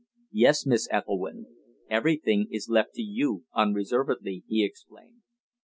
"Yes, Miss Ethelwynn. Everything is left to you unreservedly," he explained.